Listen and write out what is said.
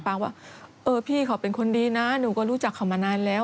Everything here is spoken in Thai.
ว่าเออพี่เขาเป็นคนดีนะหนูก็รู้จักเขามานานแล้ว